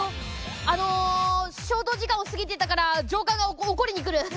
あの消灯時間を過ぎてたから上官が怒りに来る。